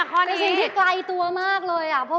ในสิ่งที่ไกลตัวมากเลย